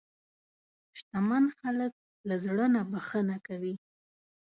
شتمن خلک له زړه نه بښنه کوي.